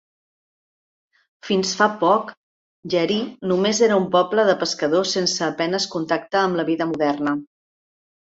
Fins fa poc, Jeri només era un poble de pescadors sense a penes contacte amb la vida moderna.